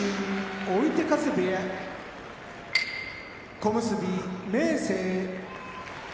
追手風部屋小結・明生